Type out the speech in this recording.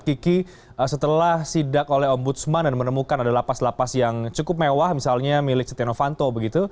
kiki setelah sidak oleh om budsman dan menemukan ada lapas lapas yang cukup mewah misalnya milik cetino fanto